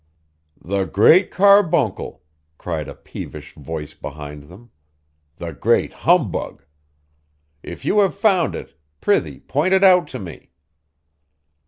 'The Great Carbuncle,' cried a peevish voice behind them. 'The Great Humbug! If you have found it, prithee point it out to me.